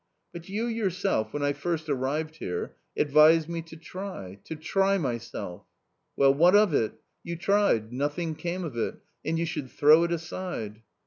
" But you yourself, when I first arrived here, advised me to try — to try myself." " Well, what of it ? You tried — nothing came of it, and you should throw it aside."